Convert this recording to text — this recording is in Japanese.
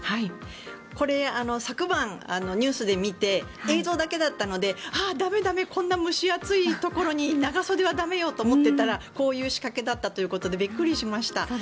これ、昨晩ニュースで見て映像だけだったのであ、駄目駄目こんな蒸し暑いところに長袖は駄目よと思っていたらこういう仕掛けだったということでびっくりしました。